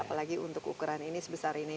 apalagi untuk ukuran ini sebesar ini